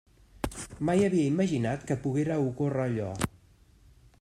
Mai havia imaginat que poguera ocórrer allò.